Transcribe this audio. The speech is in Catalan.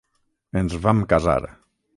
Ens vam casar.